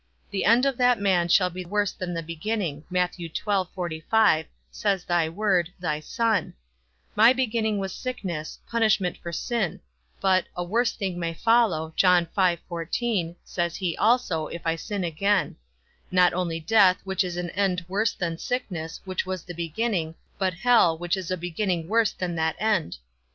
The end of that man shall be worse than the beginning, says thy Word, thy Son; my beginning was sickness, punishment for sin: but a worse thing may follow, says he also, if I sin again; not only death, which is an end worse than sickness, which was the beginning, but hell, which is a beginning worse than that end.